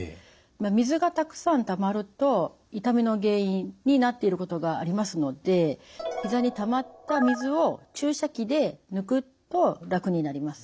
水がたくさんたまると痛みの原因になっていることがありますのでひざにたまった水を注射器で抜くと楽になります。